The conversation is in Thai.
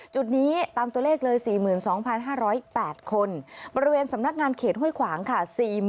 จุดนี้ตามตัวเลขเลย๔๒๕๐๘คนบริเวณสำนักงานเขตห้วยขวางค่ะ